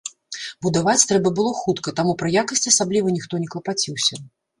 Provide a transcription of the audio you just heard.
Будаваць трэба было хутка, таму пра якасць асабліва ніхто не клапаціўся.